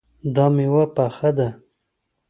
دا میوه پخه ده